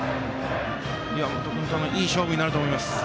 岩本君ともいい勝負になると思います。